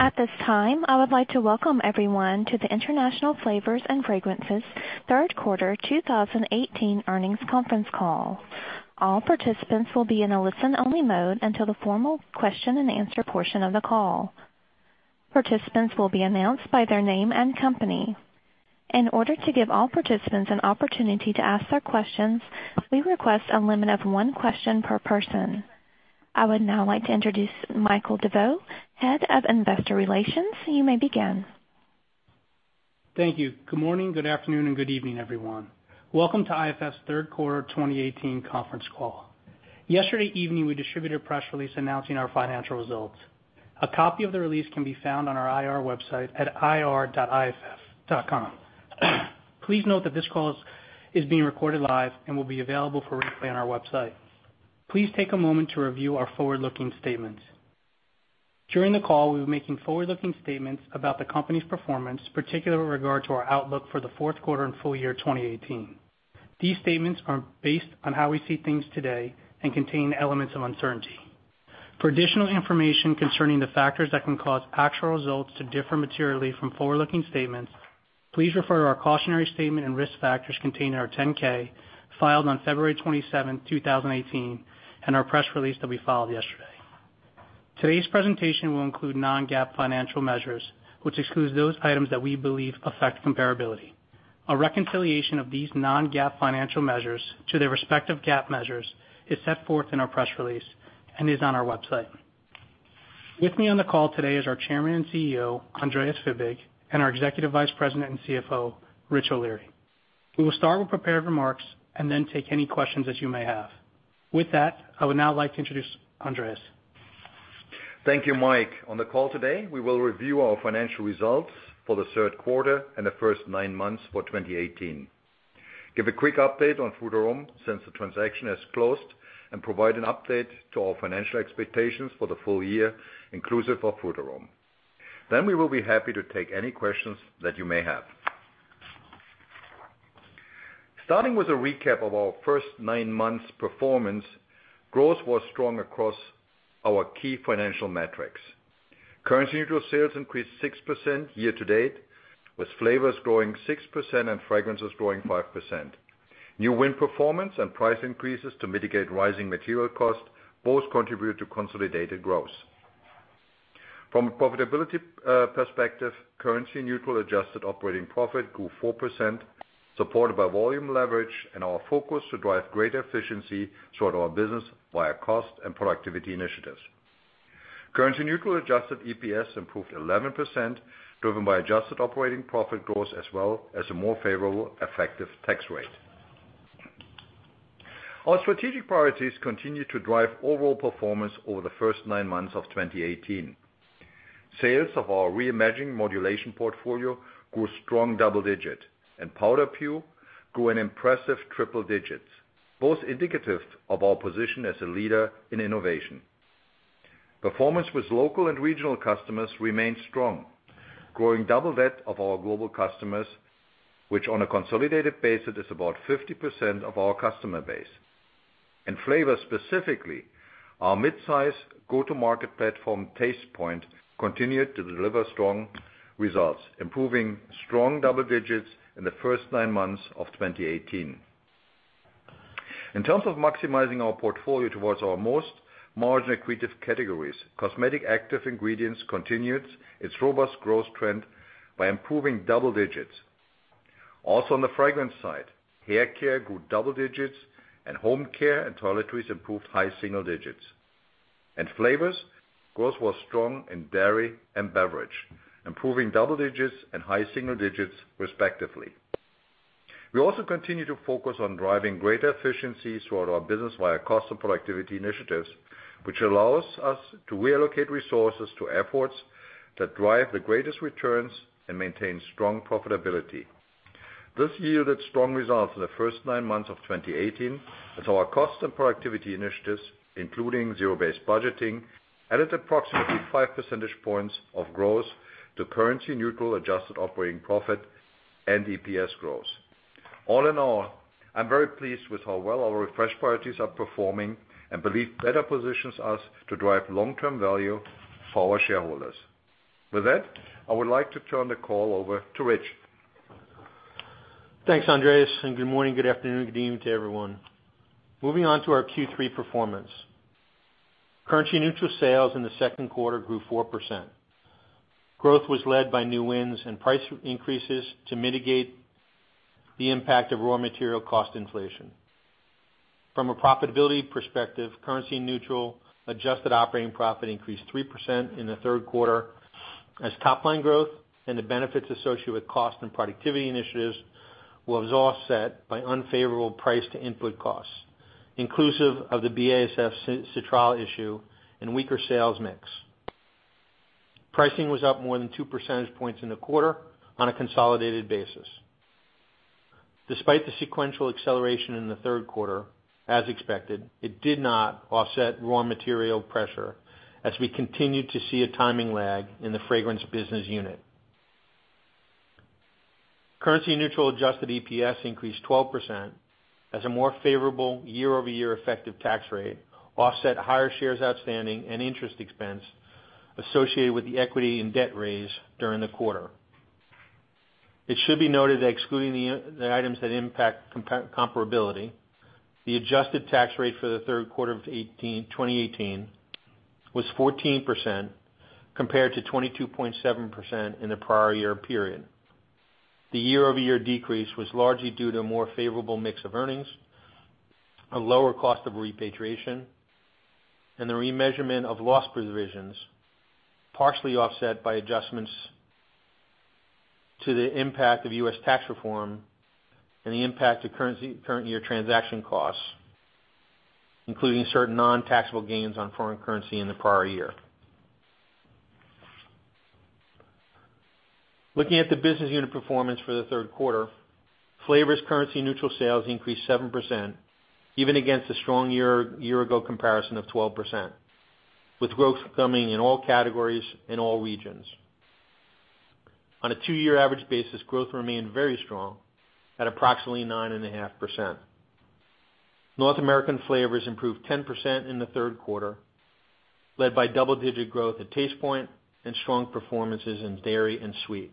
At this time, I would like to welcome everyone to the International Flavors & Fragrances third quarter 2018 earnings conference call. All participants will be in a listen-only mode until the formal question and answer portion of the call. Participants will be announced by their name and company. In order to give all participants an opportunity to ask their questions, we request a limit of one question per person. I would now like to introduce Michael DeVeau, Head of Investor Relations. You may begin. Thank you. Good morning, good afternoon, and good evening, everyone. Welcome to IFF's third quarter 2018 conference call. Yesterday evening, we distributed a press release announcing our financial results. A copy of the release can be found on our IR website at ir.iff.com. Please note that this call is being recorded live and will be available for replay on our website. Please take a moment to review our forward-looking statements. During the call, we'll be making forward-looking statements about the company's performance, particularly with regard to our outlook for the fourth quarter and full year 2018. These statements are based on how we see things today and contain elements of uncertainty. For additional information concerning the factors that can cause actual results to differ materially from forward-looking statements, please refer to our cautionary statement and risk factors contained in our 10-K filed on February 27th, 2018, and our press release that we filed yesterday. Today's presentation will include non-GAAP financial measures, which excludes those items that we believe affect comparability. A reconciliation of these non-GAAP financial measures to their respective GAAP measures is set forth in our press release and is on our website. With me on the call today is our Chairman and CEO, Andreas Fibig, and our Executive Vice President and CFO, Rich O'Leary. We will start with prepared remarks and then take any questions that you may have. With that, I would now like to introduce Andreas. Thank you, Mike. On the call today, we will review our financial results for the third quarter and the first nine months for 2018, give a quick update on Frutarom since the transaction has closed, and provide an update to our financial expectations for the full year inclusive of Frutarom. We will be happy to take any questions that you may have. Starting with a recap of our first nine months performance, growth was strong across our key financial metrics. Currency neutral sales increased 6% year to date, with flavors growing 6% and fragrances growing 5%. New win performance and price increases to mitigate rising material costs both contribute to consolidated growth. From a profitability perspective, currency neutral adjusted operating profit grew 4%, supported by volume leverage and our focus to drive greater efficiency throughout our business via cost and productivity initiatives. Currency neutral adjusted EPS improved 11%, driven by adjusted operating profit growth as well as a more favorable effective tax rate. Our strategic priorities continue to drive overall performance over the first nine months of 2018. Sales of our reimagined modulation portfolio grew strong double digit, and PowderPure grew an impressive triple digits, both indicative of our position as a leader in innovation. Performance with local and regional customers remained strong, growing double that of our global customers, which on a consolidated basis is about 50% of our customer base. In flavors specifically, our midsize go-to-market platform, Tastepoint, continued to deliver strong results, improving strong double digits in the first nine months of 2018. In terms of maximizing our portfolio towards our most margin-accretive categories, cosmetic active ingredients continued its robust growth trend by improving double digits. On the fragrance side, hair care grew double digits and home care and toiletries improved high single digits. In flavors, growth was strong in dairy and beverage, improving double digits and high single digits respectively. We also continue to focus on driving greater efficiency throughout our business via cost and productivity initiatives, which allows us to reallocate resources to efforts that drive the greatest returns and maintain strong profitability. This yielded strong results in the first nine months of 2018 as our cost and productivity initiatives, including zero-based budgeting, added approximately five percentage points of growth to currency neutral adjusted operating profit and EPS growth. I'm very pleased with how well our refresh priorities are performing and believe better positions us to drive long-term value for our shareholders. I would like to turn the call over to Rich. Thanks, Andreas, and good morning, good afternoon, good evening to everyone. Moving on to our Q3 performance. Currency neutral sales in the second quarter grew 4%. Growth was led by new wins and price increases to mitigate the impact of raw material cost inflation. From a profitability perspective, currency neutral adjusted operating profit increased 3% in the third quarter as top line growth and the benefits associated with cost and productivity initiatives was offset by unfavorable price to input costs, inclusive of the BASF Citral issue and weaker sales mix. Pricing was up more than two percentage points in the quarter on a consolidated basis. Despite the sequential acceleration in the third quarter, as expected, it did not offset raw material pressure as we continued to see a timing lag in the fragrance business unit. Currency neutral adjusted EPS increased 12% as a more favorable year-over-year effective tax rate offset higher shares outstanding and interest expense associated with the equity and debt raise during the quarter. It should be noted that excluding the items that impact comparability, the adjusted tax rate for the third quarter of 2018 was 14%, compared to 22.7% in the prior year period. The year-over-year decrease was largely due to a more favorable mix of earnings, a lower cost of repatriation, and the remeasurement of loss provisions, partially offset by adjustments to the impact of U.S. tax reform and the impact of current year transaction costs, including certain non-taxable gains on foreign currency in the prior year. Looking at the business unit performance for the third quarter, Flavors currency neutral sales increased 7%, even against a strong year ago comparison of 12%, with growth coming in all categories, in all regions. On a two-year average basis, growth remained very strong at approximately 9.5%. North American Flavors improved 10% in the third quarter, led by double digit growth at Tastepoint and strong performances in dairy and sweet.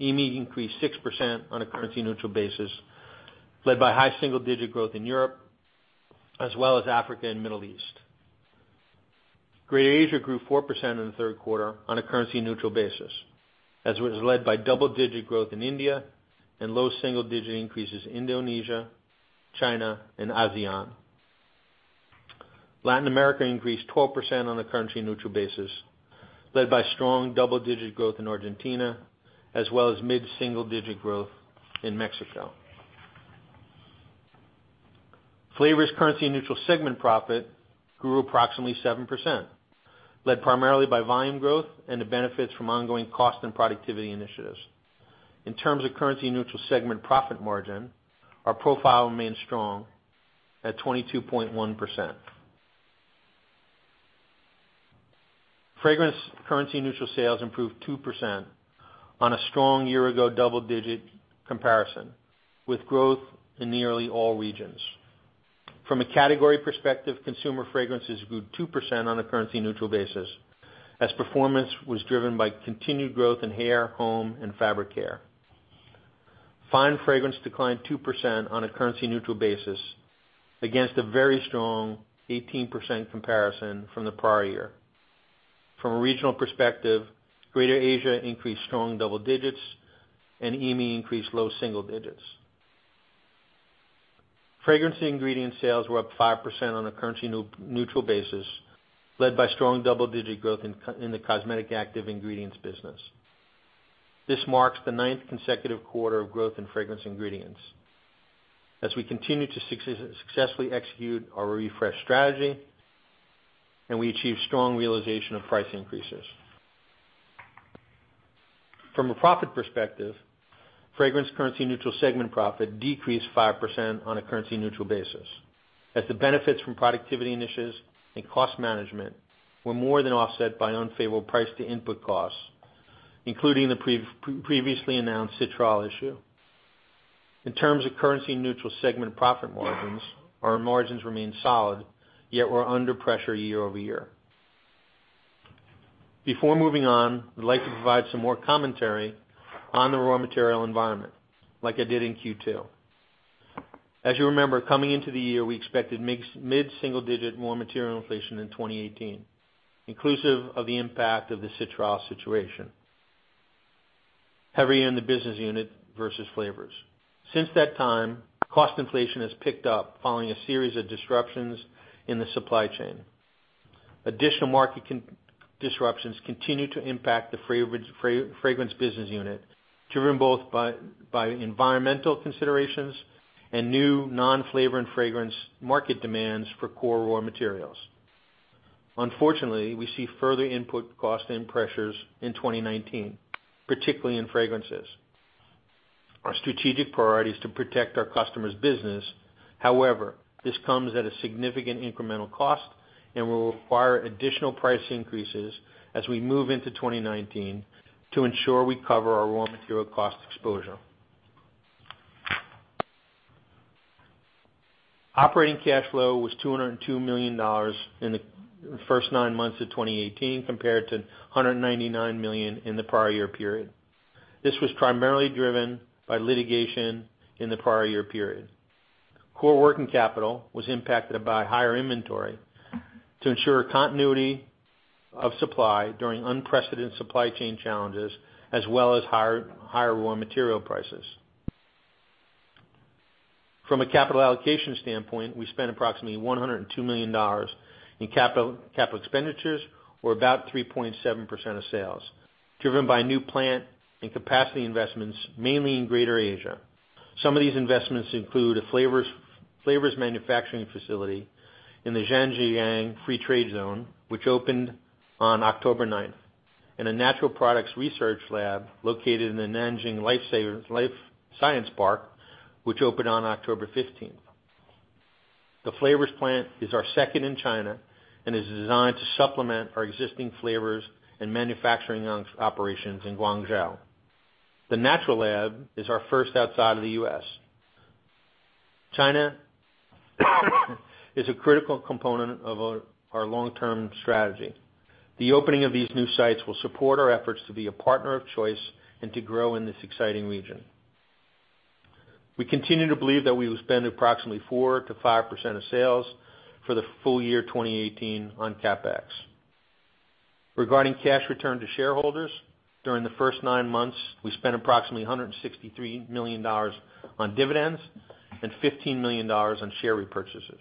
EMEA increased 6% on a currency neutral basis, led by high single digit growth in Europe, as well as Africa and Middle East. Greater Asia grew 4% in the third quarter on a currency neutral basis, as was led by double digit growth in India and low single digit increases in Indonesia, China and ASEAN. Latin America increased 12% on a currency neutral basis, led by strong double digit growth in Argentina, as well as mid single digit growth in Mexico. Flavors currency neutral segment profit grew approximately 7%, led primarily by volume growth and the benefits from ongoing cost and productivity initiatives. In terms of currency neutral segment profit margin, our profile remains strong at 22.1%. Fragrance currency neutral sales improved 2% on a strong year ago double digit comparison with growth in nearly all regions. From a category perspective, consumer fragrances grew 2% on a currency neutral basis as performance was driven by continued growth in hair, home and fabric care. Fine fragrance declined 2% on a currency neutral basis against a very strong 18% comparison from the prior year. From a regional perspective, Greater Asia increased strong double digits and EMEA increased low single digits. Fragrance ingredient sales were up 5% on a currency neutral basis, led by strong double digit growth in the cosmetic active ingredients business. This marks the ninth consecutive quarter of growth in Fragrance ingredients as we continue to successfully execute our refresh strategy and we achieve strong realization of price increases. From a profit perspective, Fragrance currency neutral segment profit decreased 5% on a currency neutral basis as the benefits from productivity initiatives and cost management were more than offset by unfavorable price to input costs, including the previously announced citral issue. In terms of currency neutral segment profit margins, our margins remain solid, yet we're under pressure year-over-year. Before moving on, I'd like to provide some more commentary on the raw material environment like I did in Q2. As you remember, coming into the year, we expected mid single digit raw material inflation in 2018, inclusive of the impact of the citral situation heavier in the business unit versus Flavors. Since that time, cost inflation has picked up following a series of disruptions in the supply chain. Additional market disruptions continue to impact the Fragrance business unit, driven both by environmental considerations and new non-flavor and fragrance market demands for core raw materials. Unfortunately, we see further input cost and pressures in 2019, particularly in Fragrances. Our strategic priority is to protect our customers' business. However, this comes at a significant incremental cost and will require additional price increases as we move into 2019 to ensure we cover our raw material cost exposure. Operating cash flow was $202 million in the first nine months of 2018 compared to $199 million in the prior year period. This was primarily driven by litigation in the prior year period. Core working capital was impacted by higher inventory to ensure continuity of supply during unprecedented supply chain challenges as well as higher raw material prices. From a capital allocation standpoint, we spent approximately $102 million in capital expenditures or about 3.7% of sales, driven by new plant and capacity investments, mainly in Greater Asia. Some of these investments include a flavors manufacturing facility in the Zhanjiang Free Trade Zone, which opened on October 9th, and a natural products research lab located in the Nanjing Life Science Park, which opened on October 15th. The flavors plant is our second in China and is designed to supplement our existing flavors and manufacturing operations in Guangzhou. The natural lab is our first outside of the U.S. China is a critical component of our long-term strategy. The opening of these new sites will support our efforts to be a partner of choice and to grow in this exciting region. We continue to believe that we will spend approximately 4%-5% of sales for the full year 2018 on CapEx. Regarding cash return to shareholders, during the first nine months, we spent approximately $163 million on dividends and $15 million on share repurchases.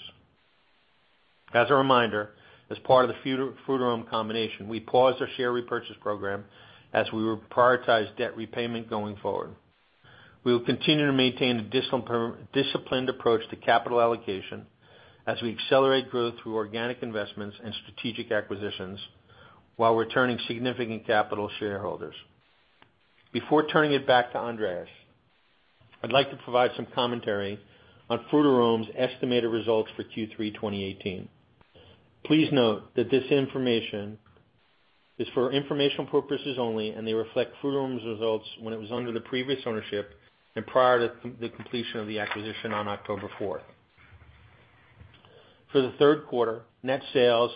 As a reminder, as part of the Frutarom combination, we paused our share repurchase program as we will prioritize debt repayment going forward. We will continue to maintain a disciplined approach to capital allocation as we accelerate growth through organic investments and strategic acquisitions while returning significant capital to shareholders. Before turning it back to Andreas, I'd like to provide some commentary on Frutarom's estimated results for Q3 2018. Please note that this information is for informational purposes only, and they reflect Frutarom's results when it was under the previous ownership and prior to the completion of the acquisition on October 4th. For the third quarter, net sales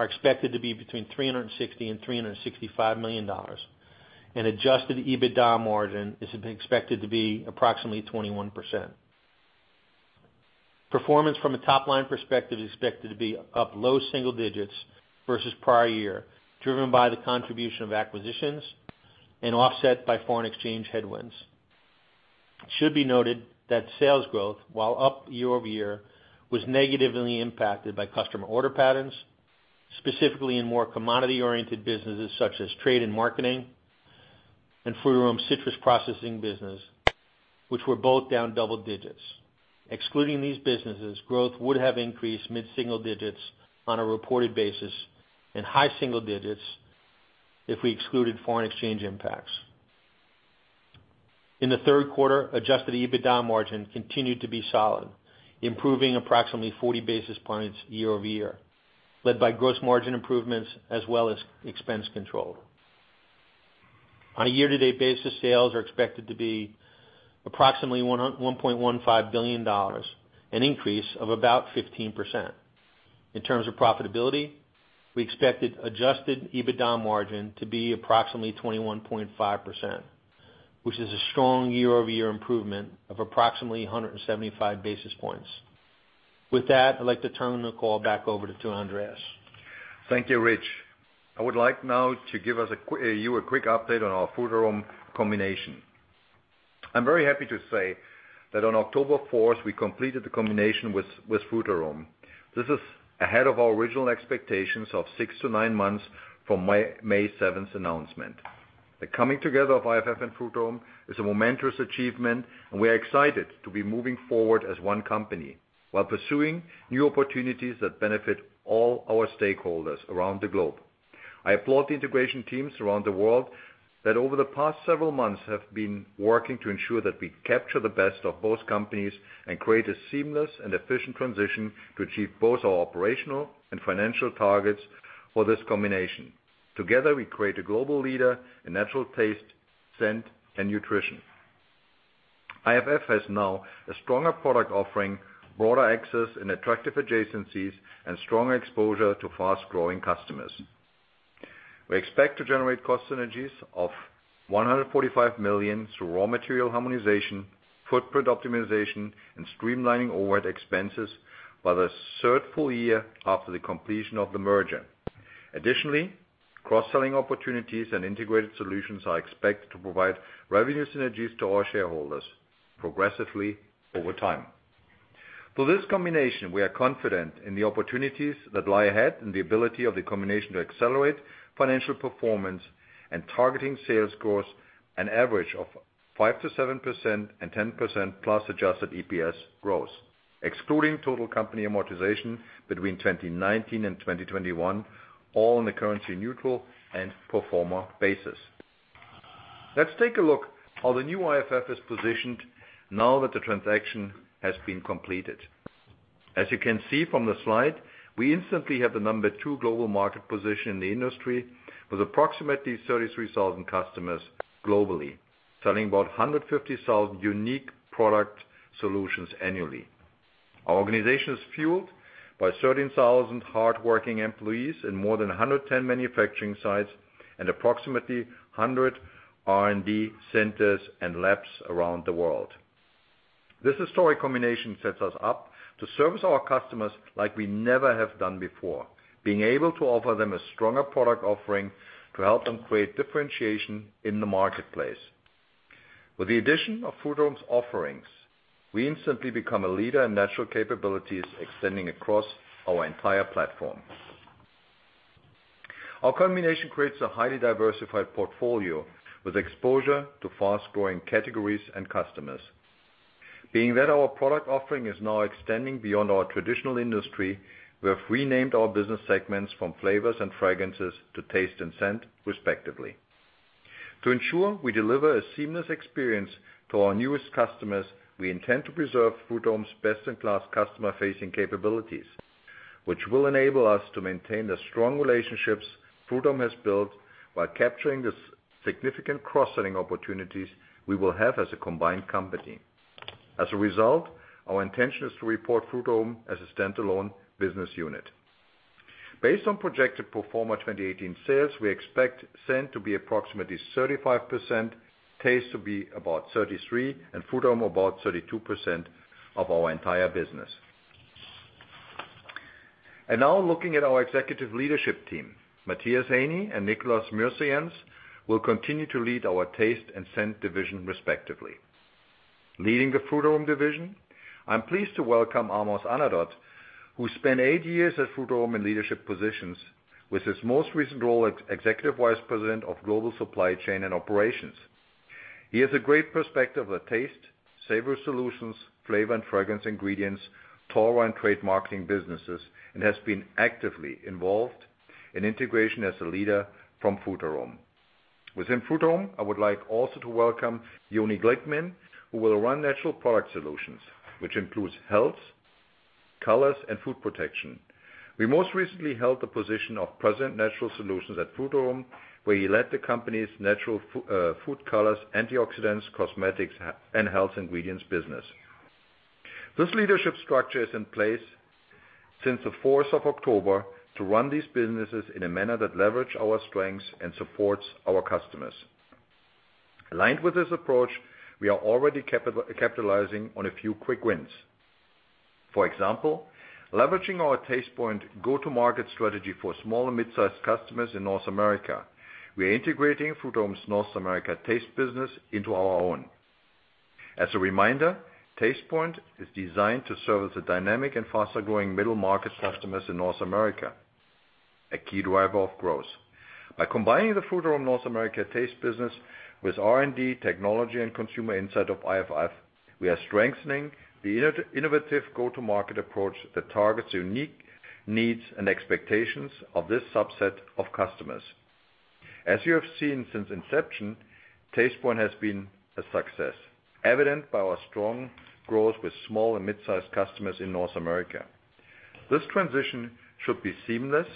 are expected to be between $360 million and $365 million, and adjusted EBITDA margin is expected to be approximately 21%. Performance from a top-line perspective is expected to be up low single digits versus prior year, driven by the contribution of acquisitions and offset by foreign exchange headwinds. It should be noted that sales growth, while up year-over-year, was negatively impacted by customer order patterns, specifically in more commodity-oriented businesses such as trade and marketing and Frutarom's citrus processing business, which were both down double digits. Excluding these businesses, growth would have increased mid-single digits on a reported basis and high single digits if we excluded foreign exchange impacts. In the third quarter, adjusted EBITDA margin continued to be solid, improving approximately 40 basis points year-over-year, led by gross margin improvements as well as expense control. On a year-to-date basis, sales are expected to be approximately $1.15 billion, an increase of about 15%. In terms of profitability, we expected adjusted EBITDA margin to be approximately 21.5%, which is a strong year-over-year improvement of approximately 175 basis points. With that, I'd like to turn the call back over to Andreas. Thank you, Rich. I would like now to give you a quick update on our Frutarom combination. I am very happy to say that on October 4th, we completed the combination with Frutarom. This is ahead of our original expectations of six to nine months from May 7th's announcement. We are excited to be moving forward as one company while pursuing new opportunities that benefit all our stakeholders around the globe. I applaud the integration teams around the world that over the past several months have been working to ensure that we capture the best of both companies and create a seamless and efficient transition to achieve both our operational and financial targets for this combination. Together, we create a global leader in natural taste, scent, and nutrition. IFF has now a stronger product offering, broader access and attractive adjacencies, and stronger exposure to fast-growing customers. We expect to generate cost synergies of $145 million through raw material harmonization, footprint optimization, and streamlining overhead expenses by the third full year after the completion of the merger. Additionally, cross-selling opportunities and integrated solutions are expected to provide revenue synergies to our shareholders progressively over time. Through this combination, we are confident in the opportunities that lie ahead and the ability of the combination to accelerate financial performance and targeting sales growth an average of 5%-7% and 10%+ adjusted EPS growth, excluding total company amortization between 2019 and 2021, all on a currency neutral and pro forma basis. Let's take a look how the new IFF is positioned now that the transaction has been completed. As you can see from the slide, we instantly have the number 2 global market position in the industry with approximately 33,000 customers globally, selling about 150,000 unique product solutions annually. Our organization is fueled by 13,000 hardworking employees in more than 110 manufacturing sites and approximately 100 R&D centers and labs around the world. This historic combination sets us up to service our customers like we never have done before, being able to offer them a stronger product offering to help them create differentiation in the marketplace. With the addition of Frutarom's offerings, we instantly become a leader in natural capabilities extending across our entire platform. Our combination creates a highly diversified portfolio with exposure to fast-growing categories and customers. Being that our product offering is now extending beyond our traditional industry, we have renamed our business segments from flavors and fragrances to Taste and Scent, respectively. To ensure we deliver a seamless experience to our newest customers, we intend to preserve Frutarom's best-in-class customer-facing capabilities, which will enable us to maintain the strong relationships Frutarom has built while capturing the significant cross-selling opportunities we will have as a combined company. As a result, our intention is to report Frutarom as a standalone business unit. Based on projected pro forma 2018 sales, we expect Scent to be approximately 35%, Taste to be about 33%, and Frutarom about 32% of our entire business. Now looking at our executive leadership team, Matthias Haeni and Nicolas Mirzayantz will continue to lead our Taste and Scent division respectively. Leading the Frutarom division, I'm pleased to welcome Amos Anatot, who spent eight years at Frutarom in leadership positions, with his most recent role as Executive Vice President of Global Supply Chain and Operations. He has a great perspective of Taste, savor solutions, flavor and fragrance ingredients, Taura and trade marketing businesses, and has been actively involved in integration as a leader from Frutarom. Within Frutarom, I would like also to welcome Yoni Glickman, who will run Natural Product Solutions, which includes health, colors, and food protection. He most recently held the position of President Natural Solutions at Frutarom, where he led the company's natural food colors, antioxidants, cosmetics, and health ingredients business. This leadership structure is in place since the 4th of October to run these businesses in a manner that leverage our strengths and supports our customers. Aligned with this approach, we are already capitalizing on a few quick wins. For example, leveraging our Tastepoint go-to-market strategy for small and mid-sized customers in North America. We are integrating Frutarom's North America taste business into our own. As a reminder, Tastepoint is designed to serve as a dynamic and faster-growing middle-market customers in North America, a key driver of growth. By combining the Frutarom North America taste business with R&D, technology and consumer insight of IFF, we are strengthening the innovative go-to-market approach that targets unique needs and expectations of this subset of customers. As you have seen since inception, Tastepoint has been a success, evident by our strong growth with small and mid-sized customers in North America. This transition should be seamless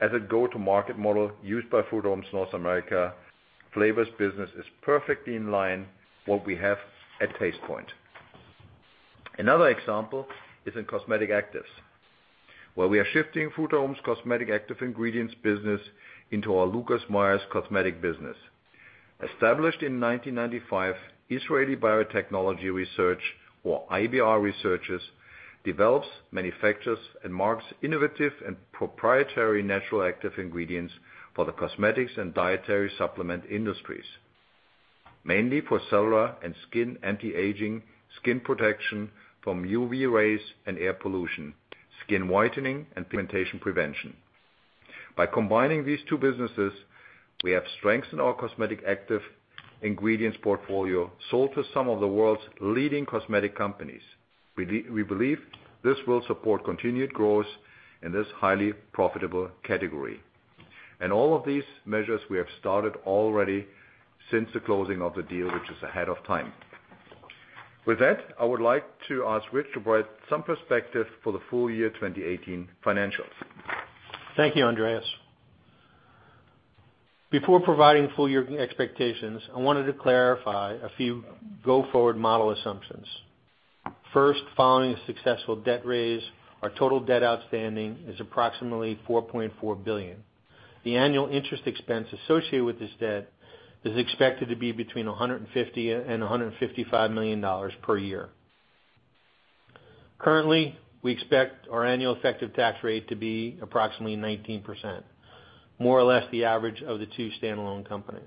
as a go-to-market model used by Frutarom's North America Flavors business is perfectly in line what we have at Tastepoint. Another example is in cosmetic actives, where we are shifting Frutarom's cosmetic active ingredients business into our Lucas Meyer cosmetic business. Established in 1995, Israeli Biotechnology Research, or IBR, develops, manufactures, and markets innovative and proprietary natural active ingredients for the cosmetics and dietary supplement industries, mainly for cellular and skin anti-aging, skin protection from UV rays and air pollution, skin whitening, and pigmentation prevention. By combining these two businesses, we have strengthened our cosmetic active ingredients portfolio sold to some of the world's leading cosmetic companies. We believe this will support continued growth in this highly profitable category. All of these measures we have started already since the closing of the deal, which is ahead of time. With that, I would like to ask Rich to provide some perspective for the full year 2018 financials. Thank you, Andreas. Before providing full year expectations, I wanted to clarify a few go-forward model assumptions. First, following a successful debt raise, our total debt outstanding is approximately $4.4 billion. The annual interest expense associated with this debt is expected to be between $150 million and $155 million per year. Currently, we expect our annual effective tax rate to be approximately 19%, more or less the average of the two standalone companies.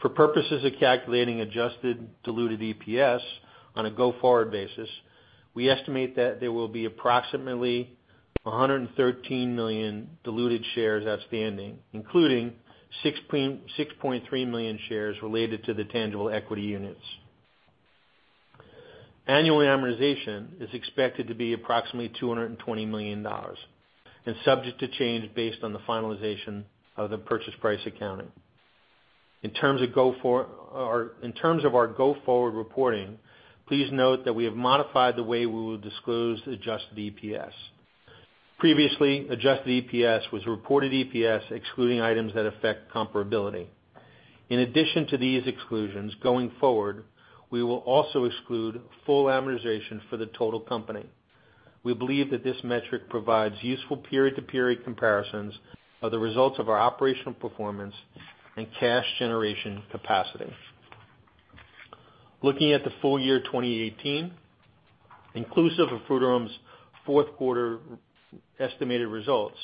For purposes of calculating adjusted diluted EPS on a go-forward basis, we estimate that there will be approximately 113 million diluted shares outstanding, including 6.3 million shares related to the tangible equity units. Annual amortization is expected to be approximately $220 million and subject to change based on the finalization of the purchase price accounting. In terms of our go-forward reporting, please note that we have modified the way we will disclose adjusted EPS. Previously, adjusted EPS was reported EPS excluding items that affect comparability. In addition to these exclusions, going forward, we will also exclude full amortization for the total company. We believe that this metric provides useful period-to-period comparisons of the results of our operational performance and cash generation capacity. Looking at the full year 2018, inclusive of Frutarom's fourth quarter estimated results,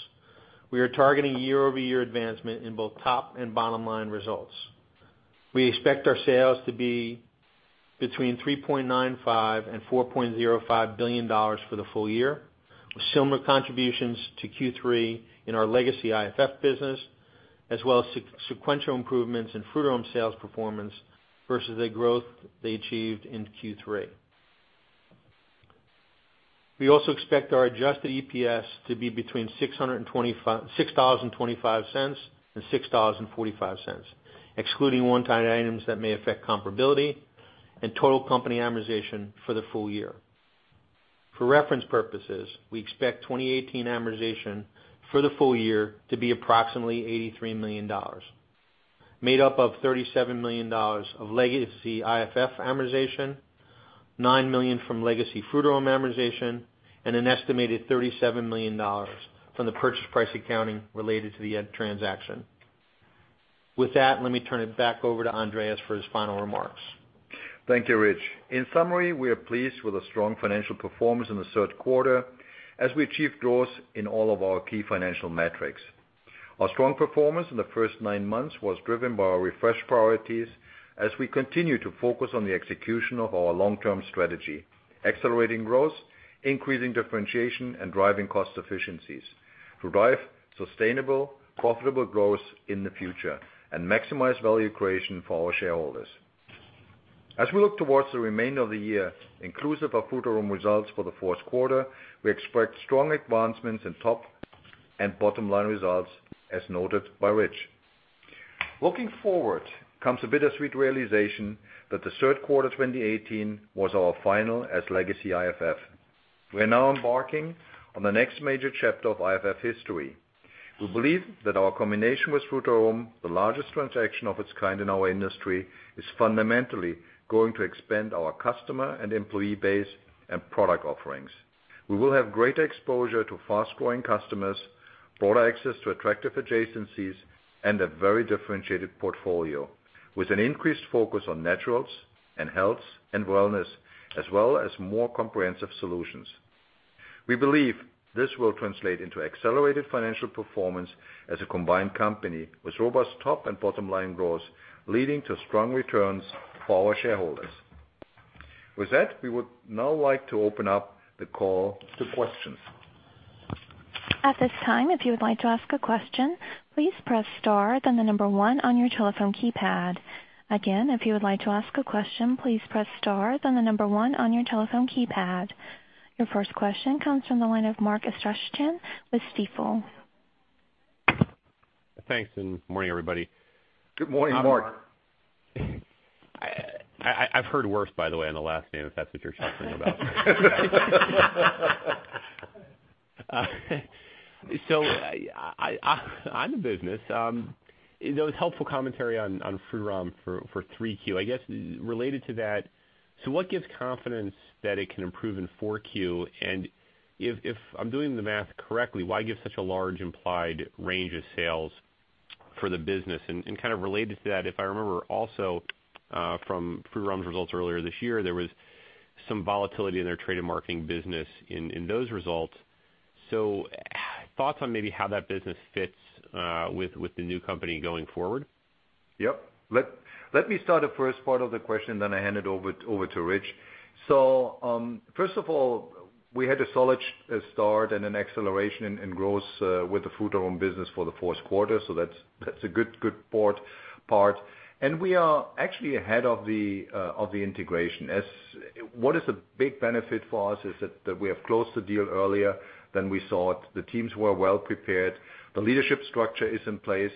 we are targeting year-over-year advancement in both top and bottom line results. We expect our sales to be between $3.95 billion and $4.05 billion for the full year, with similar contributions to Q3 in our legacy IFF business, as well as sequential improvements in Frutarom sales performance versus the growth they achieved in Q3. We also expect our adjusted EPS to be between $6.25 and $6.45, excluding one-time items that may affect comparability and total company amortization for the full year. For reference purposes, we expect 2018 amortization for the full year to be approximately $83 million, made up of $37 million of legacy IFF amortization, $9 million from legacy Frutarom amortization, and an estimated $37 million from the purchase price accounting related to the end transaction. With that, let me turn it back over to Andreas for his final remarks. Thank you, Rich. In summary, we are pleased with the strong financial performance in the third quarter as we achieved growth in all of our key financial metrics. Our strong performance in the first nine months was driven by our refresh priorities as we continue to focus on the execution of our long-term strategy, accelerating growth, increasing differentiation, and driving cost efficiencies to drive sustainable, profitable growth in the future and maximize value creation for our shareholders. As we look towards the remainder of the year, inclusive of Frutarom results for the fourth quarter, we expect strong advancements in top and bottom-line results, as noted by Rich. Looking forward comes a bittersweet realization that the third quarter 2018 was our final as legacy IFF. We are now embarking on the next major chapter of IFF history. We believe that our combination with Frutarom, the largest transaction of its kind in our industry, is fundamentally going to expand our customer and employee base and product offerings. We will have greater exposure to fast-growing customers, broader access to attractive adjacencies, and a very differentiated portfolio with an increased focus on naturals and health and wellness, as well as more comprehensive solutions. We believe this will translate into accelerated financial performance as a combined company with robust top and bottom-line growth, leading to strong returns for our shareholders. With that, we would now like to open up the call to questions. At this time, if you would like to ask a question, please press star, then the number one on your telephone keypad. Again, if you would like to ask a question, please press star, then the number one on your telephone keypad. Your first question comes from the line of Mark Astrachan with Stifel. Thanks. Good morning, everybody. Good morning, Mark. I've heard worse, by the way, on the last name, if that's what you're talking about. On to business. It was helpful commentary on Frutarom for 3Q. I guess, related to that, what gives confidence that it can improve in 4Q? If I'm doing the math correctly, why give such a large implied range of sales for the business? Kind of related to that, if I remember also from Frutarom's results earlier this year, there was some volatility in their trade and marketing business in those results. Thoughts on maybe how that business fits with the new company going forward. Yep. Let me start the first part of the question, then I hand it over to Rich. First of all, we had a solid start and an acceleration in growth with the Frutarom business for the fourth quarter. That's a good part. We are actually ahead of the integration. What is a big benefit for us is that we have closed the deal earlier than we thought. The teams were well prepared. The leadership structure is in place.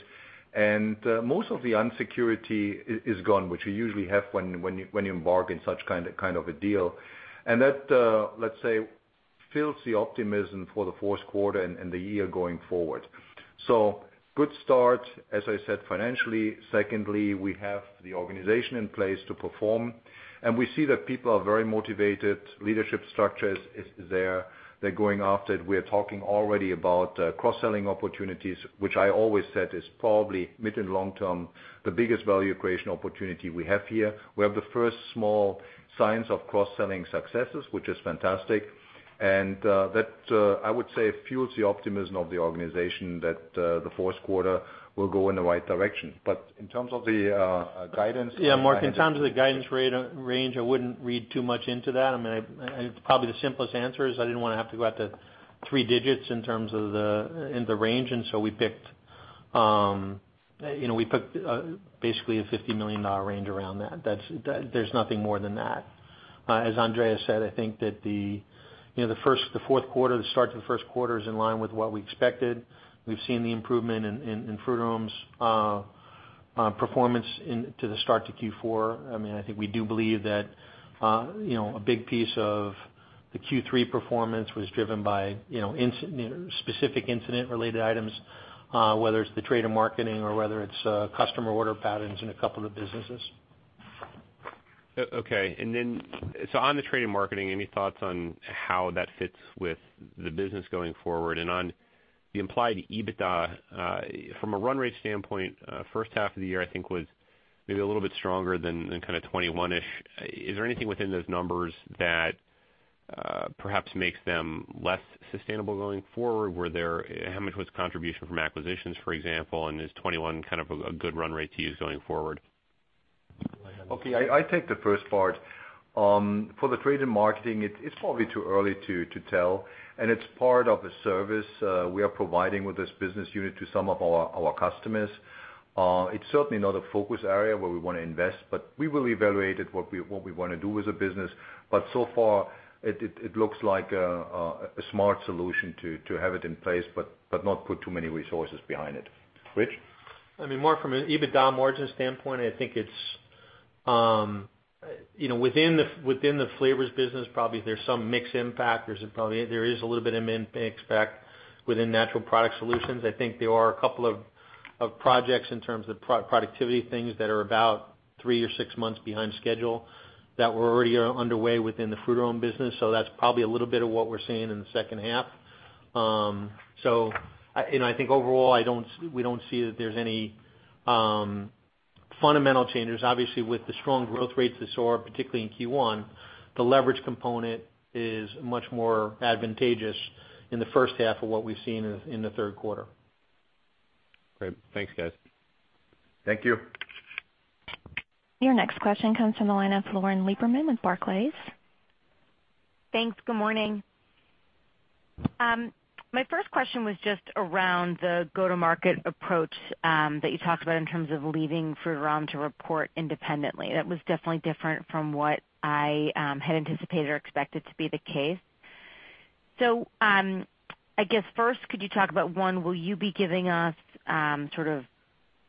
Most of the insecurity is gone, which we usually have when you embark in such kind of a deal. That, let's say, fills the optimism for the fourth quarter and the year going forward. Good start, as I said, financially. Secondly, we have the organization in place to perform, and we see that people are very motivated. Leadership structure is there. They're going after it. We are talking already about cross-selling opportunities, which I always said is probably mid and long term, the biggest value creation opportunity we have here. We have the first small signs of cross-selling successes, which is fantastic, and that, I would say, fuels the optimism of the organization that the fourth quarter will go in the right direction. In terms of the guidance- Yeah, Mark, in terms of the guidance range, I wouldn't read too much into that. Probably the simplest answer is I didn't want to have to go out to three digits in terms of the range, we picked basically a $50 million range around that. There's nothing more than that. As Andreas said, I think that the start to the first quarter is in line with what we expected. We've seen the improvement in Frutarom's performance to the start to Q4. I think we do believe that a big piece of the Q3 performance was driven by specific incident-related items, whether it's the trade and marketing or whether it's customer order patterns in a couple of businesses. Okay. On the trade and marketing, any thoughts on how that fits with the business going forward? On the implied EBITDA, from a run rate standpoint, first half of the year, I think was maybe a little bit stronger than kind of 21-ish. Is there anything within those numbers that perhaps makes them less sustainable going forward? How much was contribution from acquisitions, for example, and is 21 kind of a good run rate to use going forward? Okay. I take the first part. For the trade and marketing, it's probably too early to tell, and it's part of a service we are providing with this business unit to some of our customers. It's certainly not a focus area where we want to invest, but we will evaluate it, what we want to do as a business. So far, it looks like a smart solution to have it in place, but not put too many resources behind it. Rich? More from an EBITDA margin standpoint, I think within the flavors business, probably there's some mix impact. There is a little bit of impact to expect within Natural Product Solutions. I think there are a couple of projects in terms of productivity, things that are about three or six months behind schedule that were already underway within the Frutarom business. That's probably a little bit of what we're seeing in the second half. I think overall, we don't see that there's any fundamental changes. Obviously, with the strong growth rates that saw, particularly in Q1, the leverage component is much more advantageous in the first half of what we've seen in the third quarter. Great. Thanks, guys. Thank you. Your next question comes from the line of Lauren Lieberman with Barclays. Thanks. Good morning. My first question was just around the go-to-market approach that you talked about in terms of leaving Frutarom to report independently. That was definitely different from what I had anticipated or expected to be the case. I guess first, could you talk about, one, will you be giving us sort of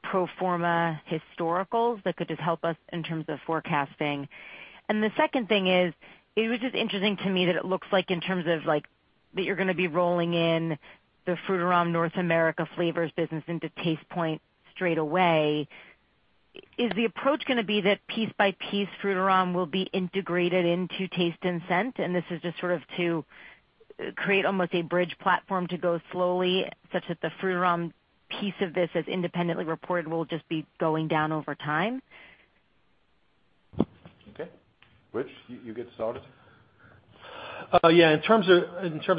pro forma historicals that could just help us in terms of forecasting? And the second thing is, it was just interesting to me that it looks like in terms of like that you're going to be rolling in the Frutarom North America flavors business into Tastepoint straight away. Is the approach going to be that piece by piece Frutarom will be integrated into Taste and Scent, and this is just sort of to create almost a bridge platform to go slowly, such that the Frutarom piece of this, as independently reported, will just be going down over time? Okay. Rich, you get started. Yeah. In terms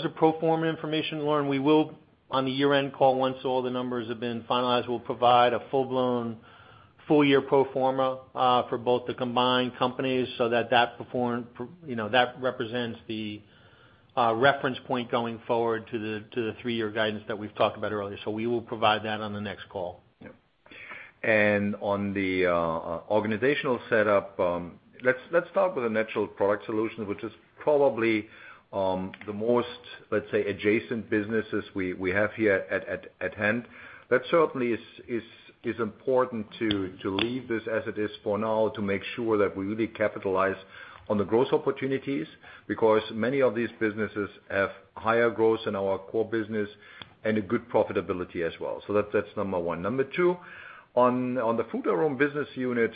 of pro forma information, Lauren, we will, on the year-end call, once all the numbers have been finalized, we'll provide a full-blown, full-year pro forma for both the combined companies that represents the reference point going forward to the three-year guidance that we've talked about earlier. We will provide that on the next call. Yeah. On the organizational setup, let's start with the Natural Product Solutions, which is probably the most, let's say, adjacent businesses we have here at hand. That certainly is important to leave this as it is for now to make sure that we really capitalize on the growth opportunities, because many of these businesses have higher growth than our core business and a good profitability as well. That's number 1. Number 2, on the Frutarom business unit,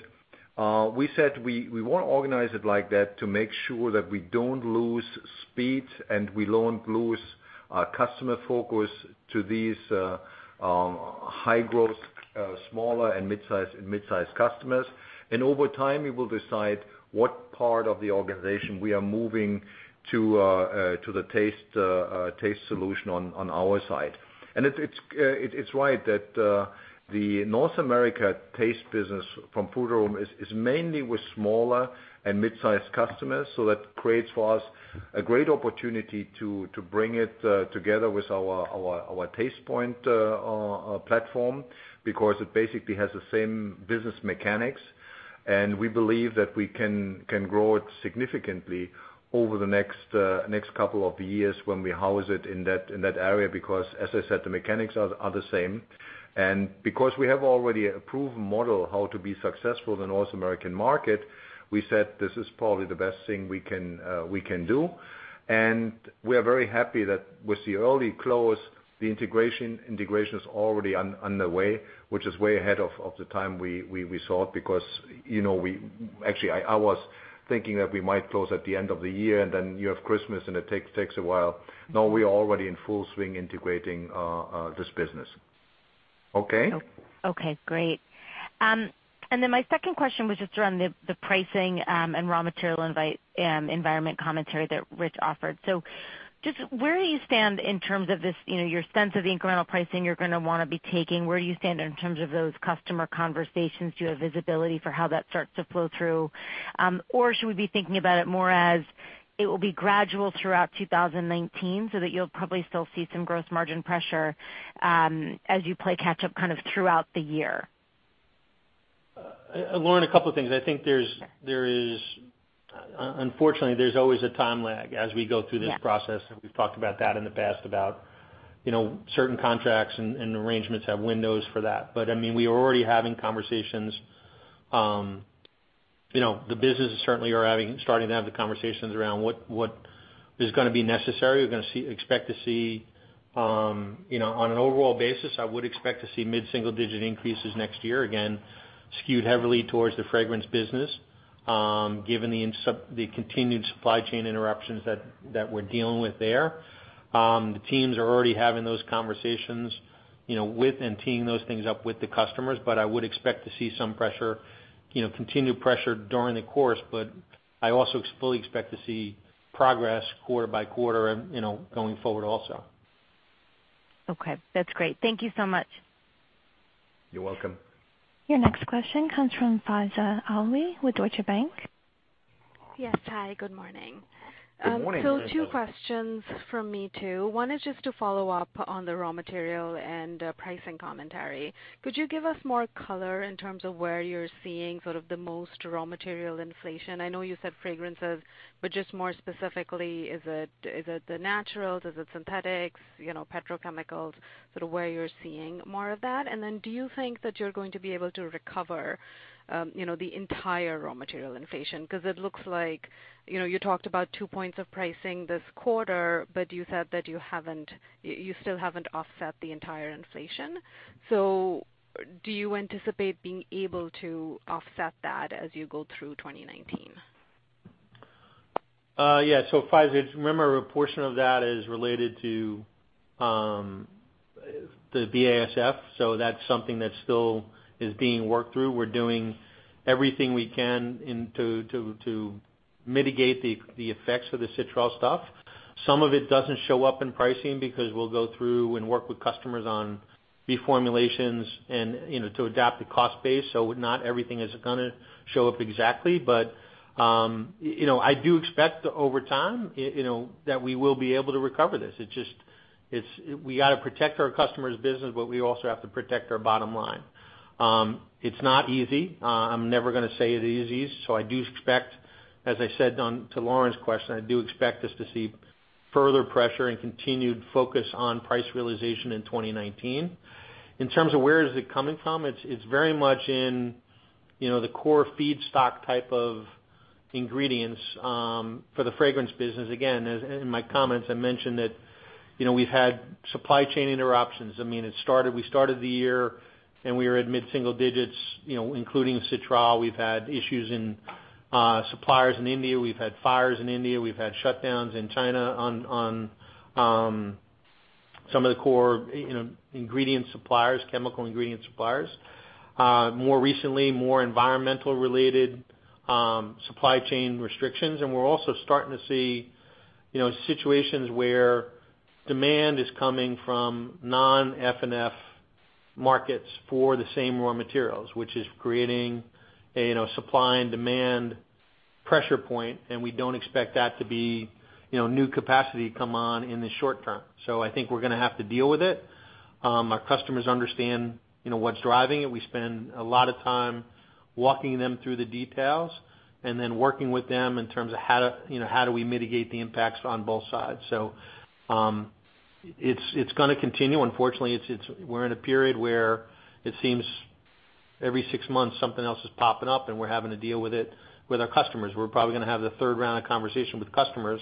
we said we want to organize it like that to make sure that we don't lose speed and we don't lose customer focus to these high-growth smaller and mid-size customers. Over time, we will decide what part of the organization we are moving to the taste solution on our side. It's right that the North America taste business from Frutarom is mainly with smaller and mid-size customers. That creates for us a great opportunity to bring it together with our Tastepoint platform, because it basically has the same business mechanics, and we believe that we can grow it significantly over the next couple of years when we house it in that area, because as I said, the mechanics are the same. Because we have already a proven model how to be successful in the North American market, we said this is probably the best thing we can do. We are very happy that with the early close, the integration is already underway, which is way ahead of the time we sought because actually, I was thinking that we might close at the end of the year, and then you have Christmas, and it takes a while. Now we are already in full swing integrating this business. Okay? Okay, great. Then my second question was just around the pricing and raw material environment commentary that Rich offered. Just where do you stand in terms of your sense of the incremental pricing you're going to want to be taking? Where do you stand in terms of those customer conversations? Do you have visibility for how that starts to flow through? Or should we be thinking about it more as it will be gradual throughout 2019, that you'll probably still see some gross margin pressure as you play catch up kind of throughout the year? Lauren, a couple of things. I think unfortunately, there's always a time lag as we go through this process, and we've talked about that in the past, about certain contracts and arrangements have windows for that. We are already having conversations. The businesses certainly are starting to have the conversations around what is going to be necessary. We're going to expect to see on an overall basis, I would expect to see mid-single digit increases next year, again, skewed heavily towards the fragrance business given the continued supply chain interruptions that we're dealing with there. The teams are already having those conversations with and teeing those things up with the customers, I would expect to see some continued pressure during the course, I also fully expect to see progress quarter by quarter going forward also. Okay. That's great. Thank you so much. You're welcome. Your next question comes from Faiza Alwy with Deutsche Bank Yes. Hi, good morning. Good morning. Two questions from me too. One is just to follow up on the raw material and pricing commentary. Could you give us more color in terms of where you're seeing sort of the most raw material inflation? I know you said fragrances, but just more specifically, is it the naturals, is it synthetics, petrochemicals, sort of where you're seeing more of that? Then do you think that you're going to be able to recover the entire raw material inflation? Because it looks like you talked about 2 points of pricing this quarter, but you said that you still haven't offset the entire inflation. Do you anticipate being able to offset that as you go through 2019? Faiza, remember, a portion of that is related to the BASF, that's something that still is being worked through. We're doing everything we can to mitigate the effects of the citral stuff. Some of it doesn't show up in pricing because we'll go through and work with customers on reformulations and to adapt the cost base, not everything is going to show up exactly. I do expect over time that we will be able to recover this. We got to protect our customers' business, but we also have to protect our bottom line. It's not easy. I'm never going to say it easy. I do expect, as I said to Lauren's question, I do expect us to see further pressure and continued focus on price realization in 2019. In terms of where is it coming from, it's very much in the core feedstock type of ingredients for the fragrance business. Again, in my comments, I mentioned that we've had supply chain interruptions. We started the year, and we are at mid-single digits, including citral. We've had issues in suppliers in India. We've had fires in India. We've had shutdowns in China on some of the core ingredient suppliers, chemical ingredient suppliers. More recently, more environmental related supply chain restrictions. We're also starting to see situations where demand is coming from non-F&F markets for the same raw materials, which is creating a supply and demand pressure point, and we don't expect that to be new capacity come on in the short term. I think we're going to have to deal with it. Our customers understand what's driving it. We spend a lot of time walking them through the details and then working with them in terms of how do we mitigate the impacts on both sides. It's going to continue. Unfortunately, we're in a period where it seems every six months something else is popping up and we're having to deal with it with our customers. We're probably going to have the third round of conversation with customers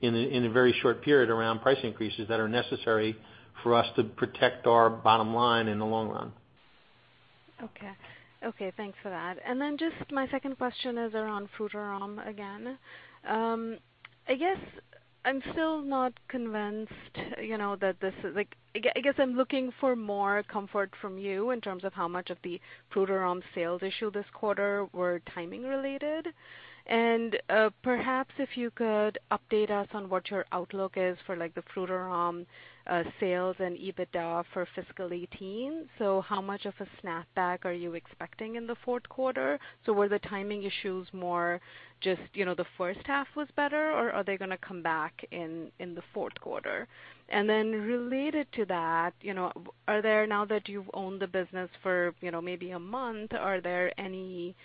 in a very short period around price increases that are necessary for us to protect our bottom line in the long run. Okay. Thanks for that. Just my second question is around Frutarom again. I guess I'm still not convinced that this is. I guess I'm looking for more comfort from you in terms of how much of the Frutarom sales issue this quarter were timing related. Perhaps if you could update us on what your outlook is for the Frutarom sales and EBITDA for fiscal 2018. How much of a snapback are you expecting in the fourth quarter? Were the timing issues more just the first half was better, or are they going to come back in the fourth quarter? Related to that, now that you've owned the business for maybe a month, are there any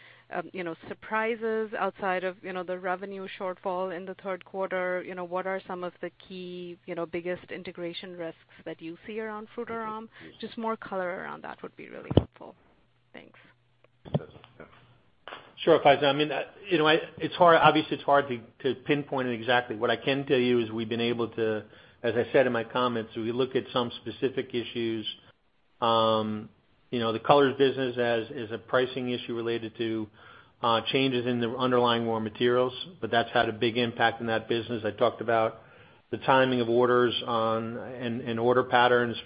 surprises outside of the revenue shortfall in the third quarter? What are some of the key biggest integration risks that you see around Frutarom? Just more color around that would be really helpful. Thanks. Sure, Faiza. Obviously, it's hard to pinpoint it exactly. What I can tell you is we've been able to, as I said in my comments, we look at some specific issues. The colors business is a pricing issue related to changes in the underlying raw materials, but that's had a big impact on that business. I talked about the timing of orders and order patterns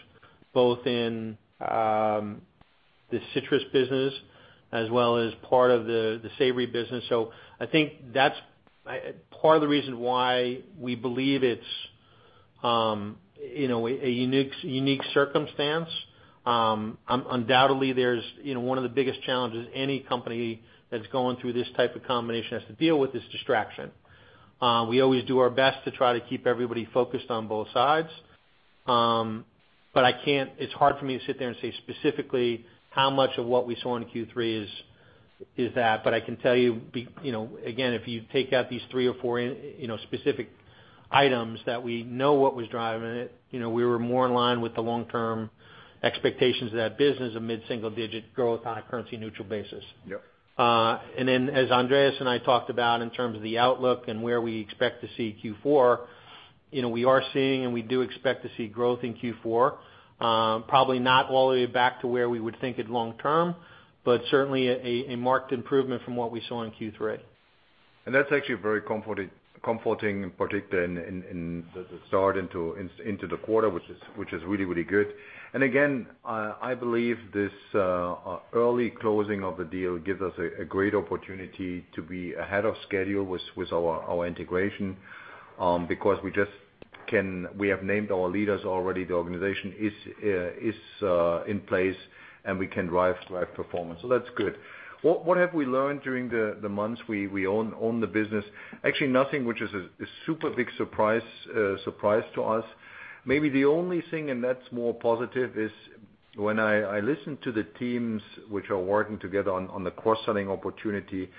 both in the citrus business as well as part of the savory business. I think that's part of the reason why we believe it's a unique circumstance. Undoubtedly, one of the biggest challenges any company that's going through this type of combination has to deal with is distraction. We always do our best to try to keep everybody focused on both sides. It's hard for me to sit there and say specifically how much of what we saw in Q3 is that. I can tell you, again, if you take out these three or four specific items that we know what was driving it, we were more in line with the long-term expectations of that business of mid-single digit growth on a currency neutral basis. Yep. As Andreas and I talked about in terms of the outlook and where we expect to see Q4, we are seeing and we do expect to see growth in Q4. Probably not all the way back to where we would think it long term, but certainly a marked improvement from what we saw in Q3. That's actually very comforting, in particular in the start into the quarter, which is really, really good. Again, I believe this early closing of the deal gives us a great opportunity to be ahead of schedule with our integration, because we have named our leaders already. The organization is in place, and we can drive performance. That's good. What have we learned during the months we own the business? Actually, nothing, which is a super big surprise to us. Maybe the only thing, and that's more positive, is when I listen to the teams which are working together on the cross-selling opportunity.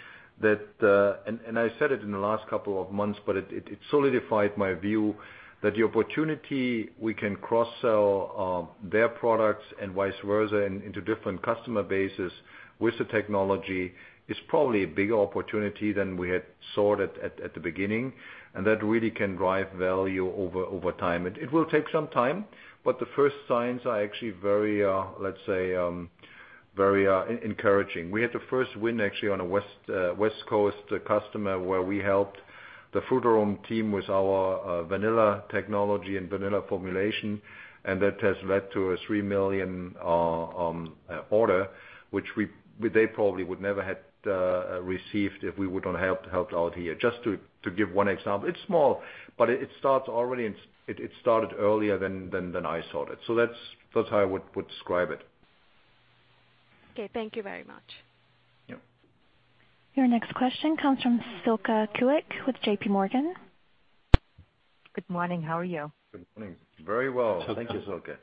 I said it in the last couple of months, but it solidified my view that the opportunity we can cross-sell their products and vice versa into different customer bases with the technology is probably a bigger opportunity than we had thought at the beginning. That really can drive value over time. It will take some time, but the first signs are actually very encouraging. We had the first win actually on a West Coast customer where we helped the Frutarom team with our vanilla technology and vanilla formulation, and that has led to a $3 million order, which they probably would never have received if we would not have helped out here. Just to give one example. It's small, but it started earlier than I thought it. That's how I would describe it. Okay. Thank you very much. Yep. Your next question comes from Silke Kueck with J.P. Morgan. Good morning. How are you? Good morning. Very well. Thank you, Silke.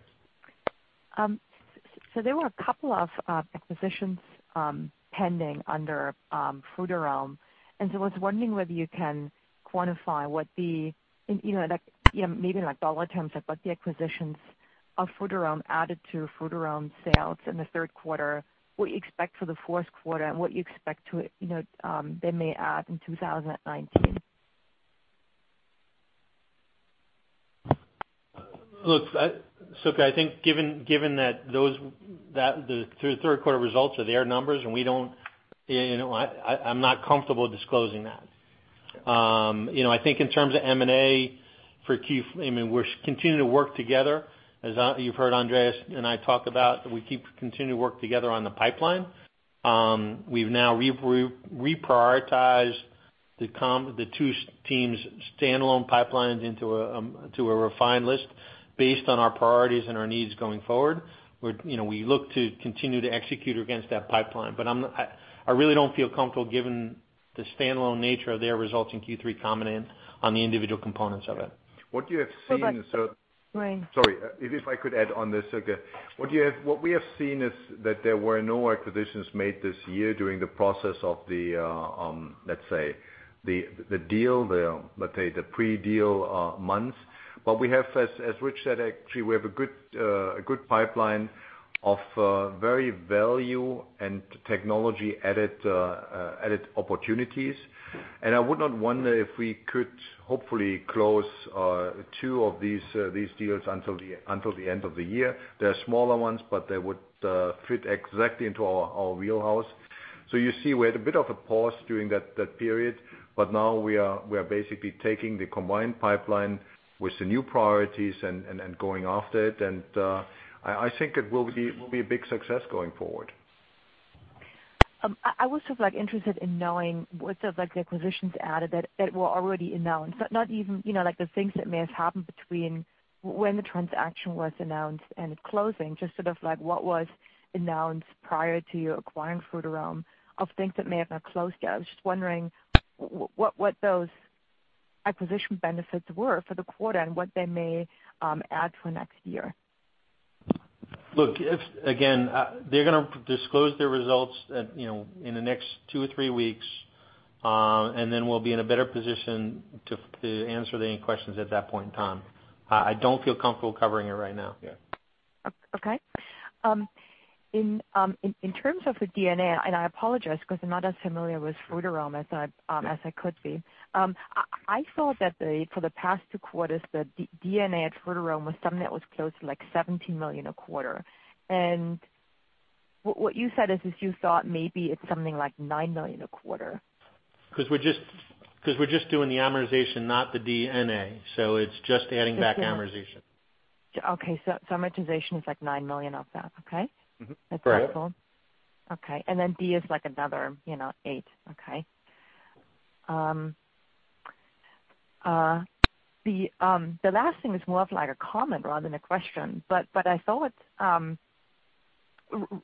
There were a couple of acquisitions pending under Frutarom, I was wondering whether you can quantify what the, maybe in dollar terms, but the acquisitions of Frutarom added to Frutarom sales in the third quarter, what you expect for the fourth quarter, and what you expect they may add in 2019. Look, Silke, I think given that the third quarter results are their numbers and I'm not comfortable disclosing that. I think in terms of M&A for Q3, we continue to work together. As you've heard Andreas and I talk about, we continue to work together on the pipeline. We've now reprioritized the two teams' standalone pipelines into a refined list based on our priorities and our needs going forward. We look to continue to execute against that pipeline. I really don't feel comfortable, given the standalone nature of their results in Q3 combining on the individual components of it. What you have seen. Go back. Sorry. Sorry. If I could add on this, Silke. What we have seen is that there were no acquisitions made this year during the process of, let's say, the pre-deal months. As Rich said, actually, we have a good pipeline of very value and technology-added opportunities. I would not wonder if we could hopefully close two of these deals until the end of the year. They're smaller ones, but they would fit exactly into our wheelhouse. You see, we had a bit of a pause during that period, but now we are basically taking the combined pipeline with the new priorities and going after it. I think it will be a big success going forward. I was interested in knowing what the acquisitions added that were already announced. Not even the things that may have happened between when the transaction was announced and it closing, just what was announced prior to your acquiring Frutarom of things that may have not closed yet. I was just wondering what those acquisition benefits were for the quarter and what they may add for next year. Again, they're going to disclose their results in the next two or three weeks, then we'll be in a better position to answer any questions at that point in time. I don't feel comfortable covering it right now. Yeah. Okay. In terms of the D&A, I apologize because I'm not as familiar with Frutarom as I could be. I thought that for the past two quarters, the D&A at Frutarom was something that was close to $17 million a quarter. What you said is, you thought maybe it's something like $9 million a quarter. Because we're just doing the amortization, not the D&A. It's just adding back amortization. Okay. Amortization is like $9 million of that, okay? Mm-hmm. Correct. That's helpful. Okay. D is like another eight. Okay. The last thing is more of a comment rather than a question, but I thought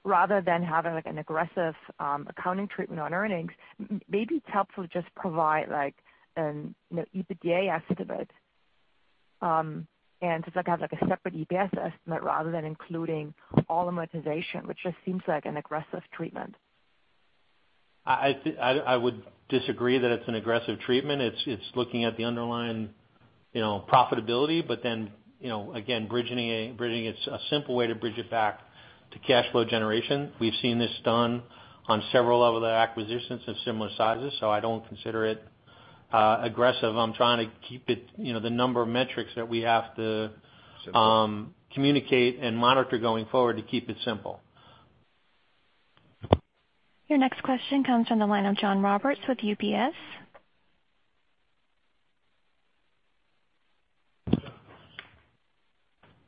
rather than having an aggressive accounting treatment on earnings, maybe it's helpful to just provide an EBITDA estimate and to have a separate EPS estimate rather than including all amortization, which just seems like an aggressive treatment. I would disagree that it's an aggressive treatment. It's looking at the underlying profitability. Again, it's a simple way to bridge it back to cash flow generation. We've seen this done on several other acquisitions of similar sizes, I don't consider it aggressive. I'm trying to keep the number of metrics that we have to- Simple communicate and monitor going forward to keep it simple. Your next question comes from the line of John Roberts with UBS.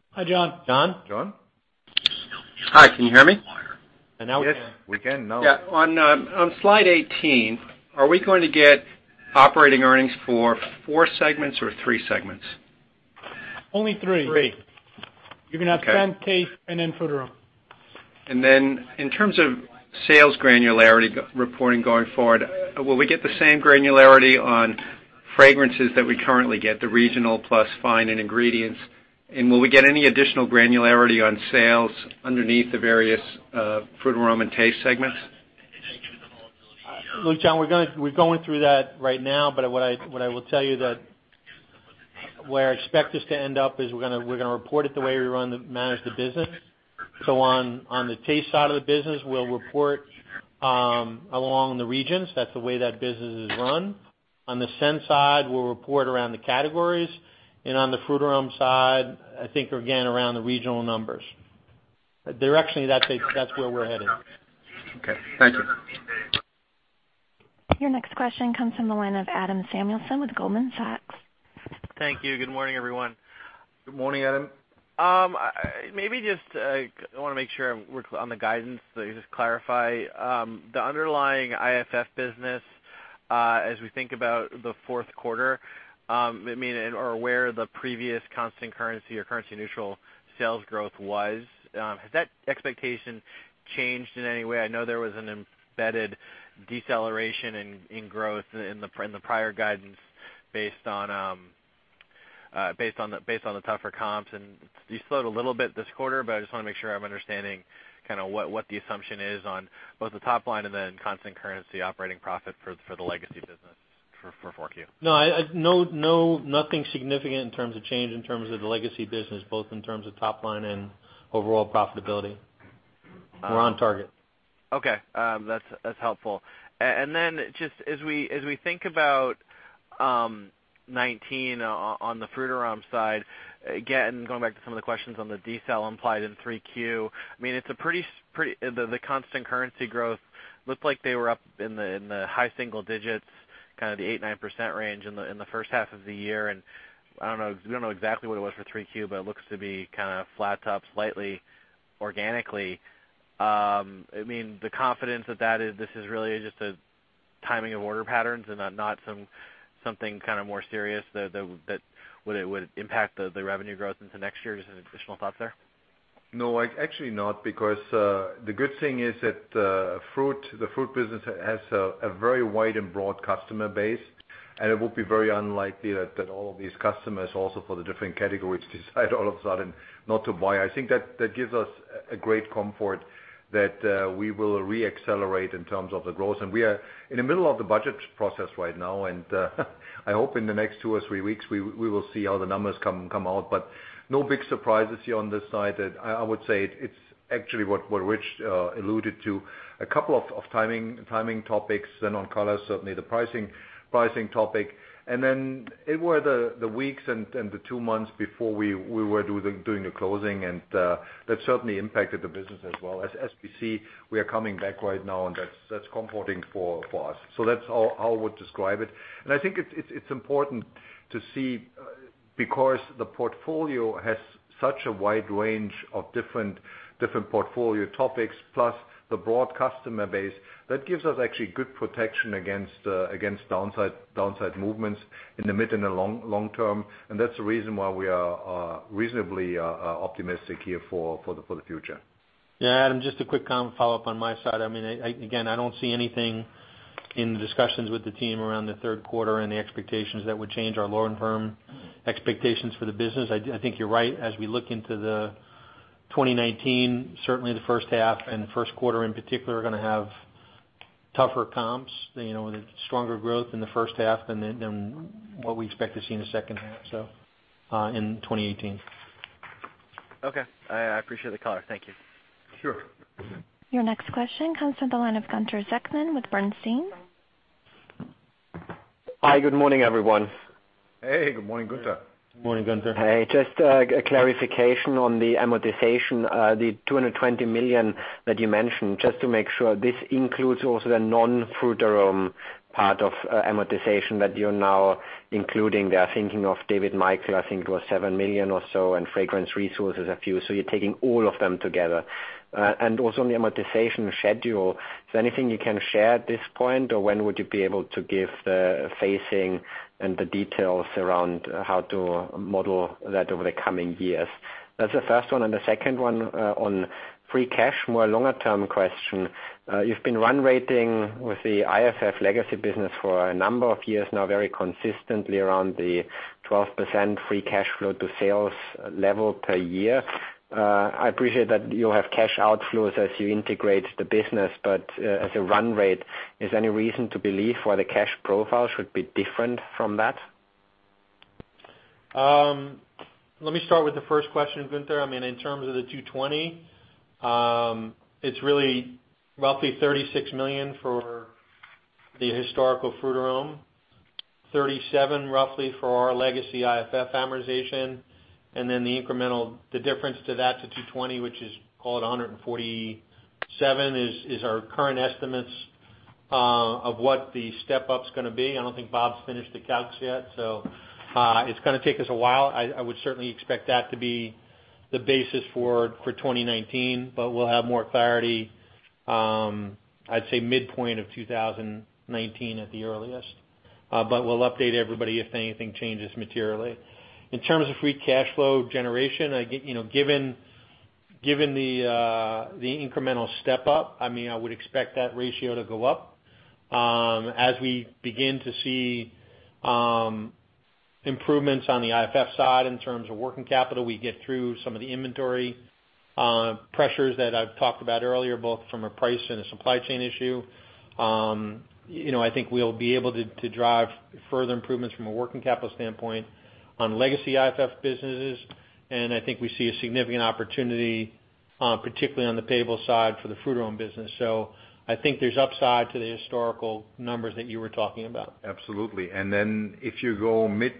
Hi, John. John? John? Hi, can you hear me? Now we can. Yes, we can now. Yeah. On slide 18, are we going to get operating earnings for four segments or three segments? Only three. Three. You can have scent, taste, and then flavor. In terms of sales granularity reporting going forward, will we get the same granularity on Fragrances that we currently get, the regional plus fine and ingredients? Will we get any additional granularity on sales underneath the various Taste segments? Look, John, we're going through that right now, but what I will tell you that where I expect us to end up is we're going to report it the way we manage the business. On the Taste side of the business, we'll report along the regions. That's the way that business is run. On the Scent side, we'll report around the categories. On the Frutarom side, I think again, around the regional numbers. Directionally, that's where we're headed. Okay, thank you. Your next question comes from the line of Adam Samuelson with Goldman Sachs. Thank you. Good morning, everyone. Good morning, Adam. Maybe just, I want to make sure on the guidance, just clarify. The underlying IFF business, as we think about the fourth quarter, or where the previous constant currency or currency neutral sales growth was, has that expectation changed in any way? I know there was an embedded deceleration in growth in the prior guidance based on the tougher comps, and you slowed a little bit this quarter, but I just want to make sure I'm understanding what the assumption is on both the top line and then constant currency operating profit for the legacy business for 4Q. No, nothing significant in terms of change in terms of the legacy business, both in terms of top line and overall profitability. We're on target. Okay. That's helpful. Just as we think about 2019 on the Frutarom side, again, going back to some of the questions on the decel implied in Q3, the constant currency growth looked like they were up in the high single digits, kind of the 8%, 9% range in the first half of the year. We don't know exactly what it was for Q3, but it looks to be kind of flat to up slightly organically. The confidence that this is really just a timing of order patterns and not something more serious that would impact the revenue growth into next year. Just any additional thoughts there? No, actually not. The good thing is that the Frutarom business has a very wide and broad customer base. It would be very unlikely that all of these customers also for the different categories decide all of a sudden not to buy. I think that gives us a great comfort that we will re-accelerate in terms of the growth. We are in the middle of the budget process right now. I hope in the next 2 or 3 weeks, we will see how the numbers come out. No big surprises here on this side. I would say it's actually what Rich alluded to, a couple of timing topics. On color, certainly the pricing topic. It were the weeks and the 2 months before we were doing the closing, and that certainly impacted the business as well. We are coming back right now, and that's comforting for us. That's how I would describe it. I think it's important to see because the portfolio has such a wide range of different portfolio topics, plus the broad customer base, that gives us actually good protection against downside movements in the mid and the long-term. That's the reason why we are reasonably optimistic here for the future. Yeah, Adam, just a quick follow-up on my side. I don't see anything in the discussions with the team around the third quarter and the expectations that would change our long-term expectations for the business. I think you're right. We look into the 2019, certainly the first half and the first quarter, in particular, are going to have tougher comps, with stronger growth in the first half than what we expect to see in the second half, in 2018. Okay. I appreciate the color. Thank you. Sure. Your next question comes from the line of Gunther Zechmann with Bernstein. Hi, good morning, everyone. Hey, good morning, Gunther. Morning, Gunther. Hey, just a clarification on the amortization, the $220 million that you mentioned, just to make sure. This includes also the non-Frutarom part of amortization that you're now including there, thinking of David Michael, I think it was $7 million or so, and Fragrance Resources, a few. You're taking all of them together. Also on the amortization schedule, is there anything you can share at this point, or when would you be able to give the phasing and the details around how to model that over the coming years? That's the first one, and the second one on free cash, more longer-term question. You've been run rating with the IFF legacy business for a number of years now, very consistently around the 12% free cash flow to sales level per year. I appreciate that you have cash outflows as you integrate the business. As a run rate, is there any reason to believe why the cash profile should be different from that? Let me start with the first question, Gunther. In terms of the 220, it's really roughly $36 million for the historical Frutarom, $37 roughly for our legacy IFF amortization, then the incremental, the difference to that to 220, which is, call it 147, is our current estimates of what the step-up's going to be. I don't think Bob's finished the calcs yet. It's going to take us a while. I would certainly expect that to be the basis for 2019. We'll have more clarity, I'd say mid-point of 2019 at the earliest. We'll update everybody if anything changes materially. In terms of free cash flow generation, given the incremental step-up, I would expect that ratio to go up. As we begin to see improvements on the IFF side in terms of working capital, we get through some of the inventory pressures that I've talked about earlier, both from a price and a supply chain issue. I think we'll be able to drive further improvements from a working capital standpoint on legacy IFF businesses, and I think we see a significant opportunity, particularly on the payable side for the Frutarom business. I think there's upside to the historical numbers that you were talking about. Absolutely. Then if you go mid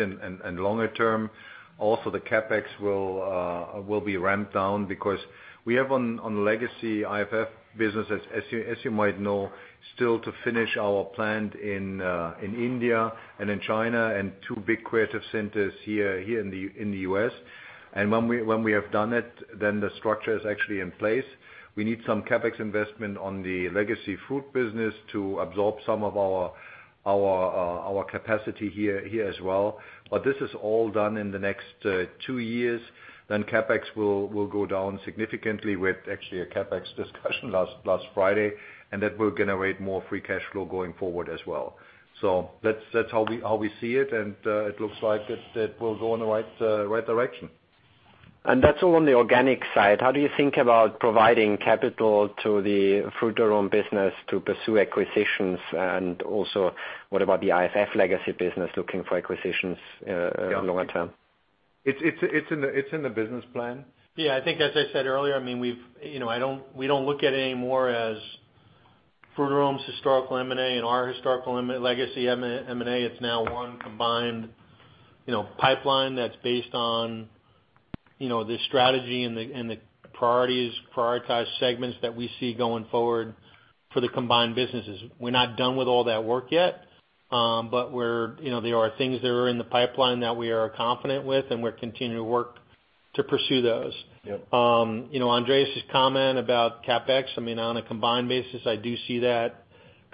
and longer term, also the CapEx will be ramped down because we have on legacy IFF businesses, as you might know, still to finish our plant in India and in China and two big creative centers here in the U.S. When we have done it, then the structure is actually in place. We need some CapEx investment on the legacy Frutarom business to absorb some of our capacity here as well. But this is all done in the next two years, then CapEx will go down significantly. We actually had a CapEx discussion last Friday, and that will generate more free cash flow going forward as well. That's how we see it, and it looks like it will go in the right direction. That's all on the organic side. How do you think about providing capital to the Frutarom business to pursue acquisitions? Also, what about the IFF legacy business looking for acquisitions longer term? It's in the business plan. Yeah, I think as I said earlier, we don't look at it anymore as Frutarom's historical M&A and our historical legacy M&A. It's now one combined pipeline that's based on the strategy and the prioritized segments that we see going forward for the combined businesses. We're not done with all that work yet, but there are things that are in the pipeline that we are confident with, and we're continuing to work to pursue those. Yep. Andreas' comment about CapEx, on a combined basis, I do see that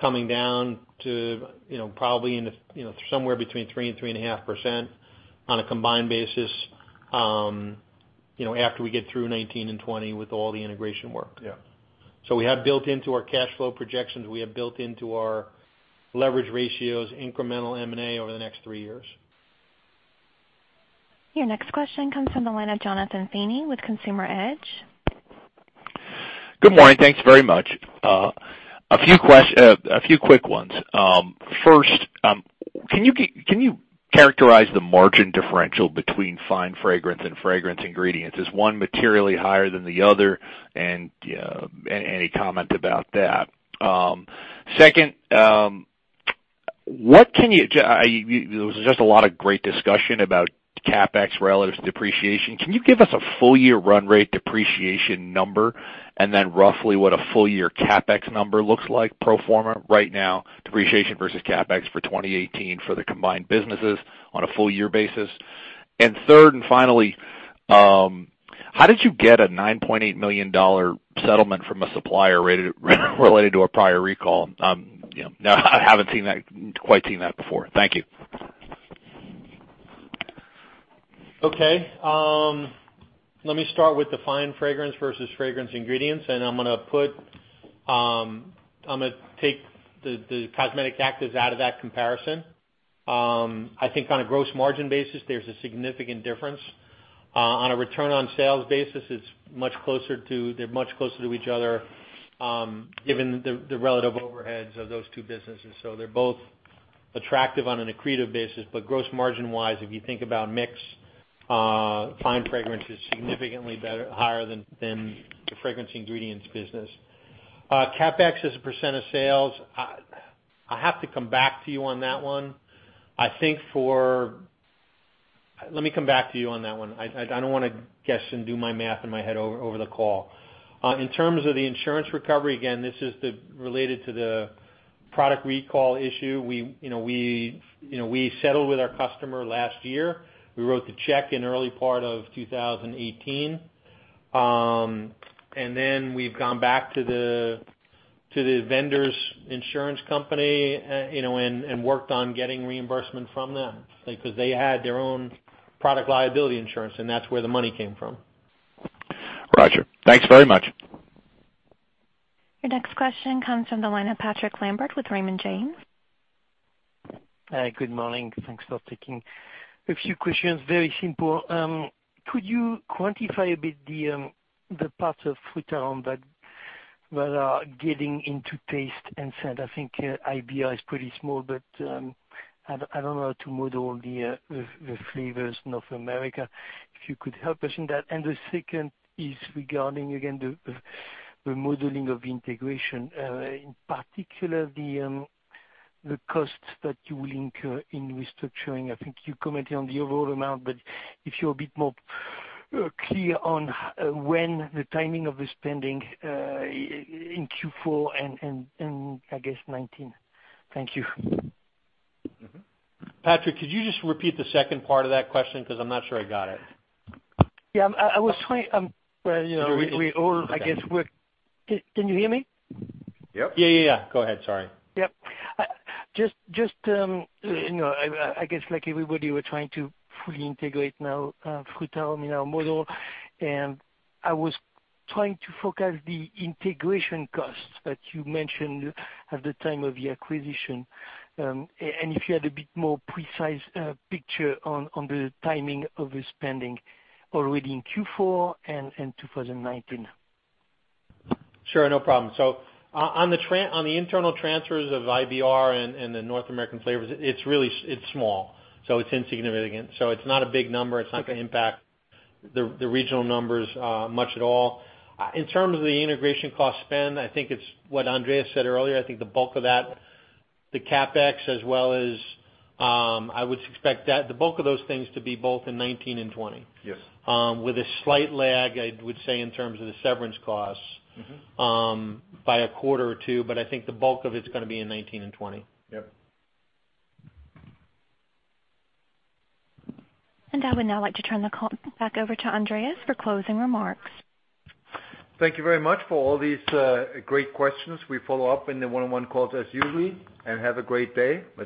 coming down to probably somewhere between 3% and 3.5% on a combined basis after we get through 2019 and 2020 with all the integration work. Yeah. We have built into our cash flow projections, we have built into our leverage ratios, incremental M&A over the next three years. Your next question comes from the line of Jonathan Feeney with Consumer Edge. Good morning. Thanks very much. A few quick ones. First, can you characterize the margin differential between fine fragrance and fragrance ingredients? Is one materially higher than the other? Any comment about that? Second, there was just a lot of great discussion about CapEx relative to depreciation. Can you give us a full year run rate depreciation number, then roughly what a full year CapEx number looks like pro forma right now, depreciation versus CapEx for 2018 for the combined businesses on a full year basis? Third and finally, how did you get a $9.8 million settlement from a supplier related to a prior recall? I haven't quite seen that before. Thank you. Okay. Let me start with the fine fragrance versus fragrance ingredients. I'm going to take the cosmetic actives out of that comparison. I think on a gross margin basis, there's a significant difference. On a return on sales basis, they're much closer to each other given the relative overheads of those two businesses. They're both attractive on an accretive basis, but gross margin-wise, if you think about mix, fine fragrance is significantly higher than the fragrance ingredients business. CapEx as a % of sales, I have to come back to you on that one. Let me come back to you on that one. I don't want to guess and do my math in my head over the call. In terms of the insurance recovery, again, this is related to the product recall issue. We settled with our customer last year. We wrote the check in early part of 2018. We've gone back to the vendor's insurance company, and worked on getting reimbursement from them, because they had their own product liability insurance, and that's where the money came from. Roger. Thanks very much. Your next question comes from the line of Patrick Lambert with Raymond James. Good morning. Thanks for taking a few questions, very simple. Could you quantify a bit the parts of Frutarom that are getting into taste and scent? I think IBR is pretty small, but I don't know how to model the flavors North America. If you could help us in that. The second is regarding, again, the modeling of integration, in particular the costs that you will incur in restructuring. I think you commented on the overall amount, but if you're a bit more clear on when the timing of the spending in Q4 and I guess 2019. Thank you. Patrick, could you just repeat the second part of that question? I'm not sure I got it. Yeah, I was trying- Sorry. Can you hear me? Yep. Yeah. Go ahead, sorry. Yep. I guess like everybody, we're trying to fully integrate now Frutarom in our model. I was trying to forecast the integration costs that you mentioned at the time of the acquisition. If you had a bit more precise picture on the timing of the spending already in Q4 and 2019. Sure, no problem. On the internal transfers of IBR and the North American flavors, it's small. It's insignificant. It's not a big number. It's not going to impact the regional numbers much at all. In terms of the integration cost spend, I think it's what Andreas said earlier. I think the bulk of that, the CapEx, as well as I would expect the bulk of those things to be both in 2019 and 2020. Yes. With a slight lag, I would say, in terms of the severance costs by a quarter or two, but I think the bulk of it's going to be in 2019 and 2020. Yep. I would now like to turn the call back over to Andreas for closing remarks. Thank you very much for all these great questions. We follow up in the one-on-one calls as usual, and have a great day. Bye-bye.